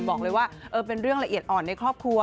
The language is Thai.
บอกเลยว่าเป็นเรื่องละเอียดอ่อนในครอบครัว